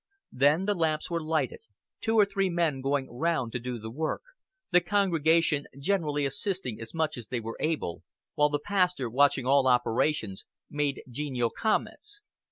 Then the lamps were lighted; two or three men going round to do the work, the congregation generally assisting as much as they were able, while the pastor, watching all operations, made genial comments.